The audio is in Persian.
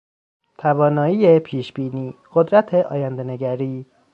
توانایی پیشبینی، قدرت آیندهنگری